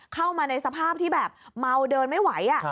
เข้ามาในสภาพที่แบบเมาเดินไม่ไหว